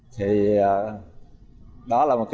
thì đó là một cái